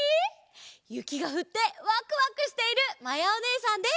ゆきがふってわくわくしているまやおねえさんです！